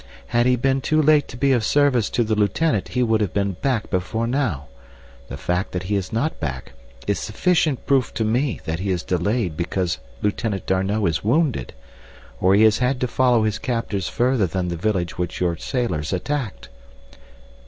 "Had he been too late to be of service to the lieutenant he would have been back before now—the fact that he is not back is sufficient proof to me that he is delayed because Lieutenant D'Arnot is wounded, or he has had to follow his captors further than the village which your sailors attacked."